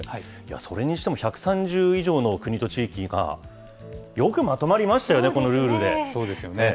それにしても１３０以上の国と地域がよくまとまりましたよね、こそうですよね。